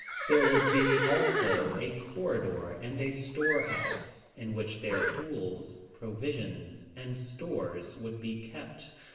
There would be also a corridor and a storehouse, in which their tools, provisions, and stores would be kept.